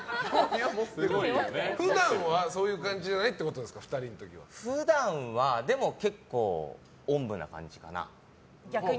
普段はそういう感じじゃないって普段は結構、おんぶな感じかな。